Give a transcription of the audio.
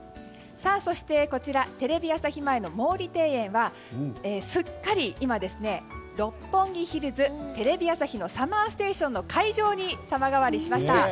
そして、こちらテレビ朝日前の毛利庭園はすっかり今六本木ヒルズ・テレビ朝日の「ＳＵＭＭＥＲＳＴＡＴＩＯＮ」の会場に様変わりしました。